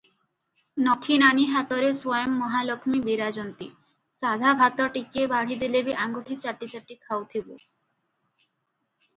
ନଖି ନାନୀ ହାତରେ ସ୍ୱୟଂ ମହାଲକ୍ଷ୍ମୀ ବିରାଜନ୍ତି, ସାଧା ଭାତ ଟିକିଏ ବାଢ଼ିଦେଲେ ବି ଆଙ୍ଗୁଠି ଚାଟି ଚାଟି ଖାଉଥିବୁ